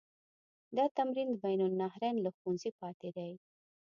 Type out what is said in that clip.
دا تمرین د بین النهرین له ښوونځي پاتې دی.